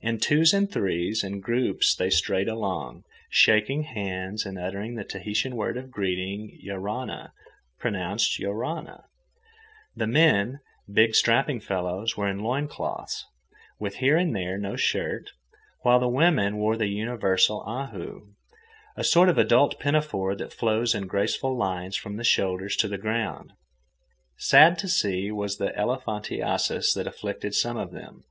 In twos and threes and groups they strayed along, shaking hands and uttering the Tahitian word of greeting—Ioarana, pronounced yo rah nah. The men, big strapping fellows, were in loin cloths, with here and there no shirt, while the women wore the universal ahu, a sort of adult pinafore that flows in graceful lines from the shoulders to the ground. Sad to see was the elephantiasis that afflicted some of them.